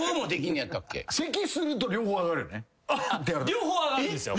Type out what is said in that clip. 両方上がるんですよ。